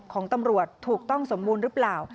ของตำรวจถูกต้องสมมุนรึเปล่า